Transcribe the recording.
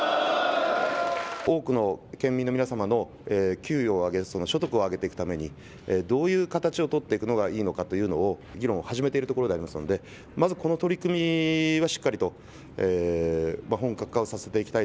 給料を上げ所得を上げていくためにどういう形を取っていくのがいいのかというのを議論を始めているところでありますのでまずこの取り組みはしっかりと本格化させていきたい。